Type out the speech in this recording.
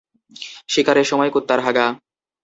স্বীকারের সময় কুত্তার হাগা।